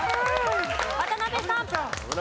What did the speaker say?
渡辺さん。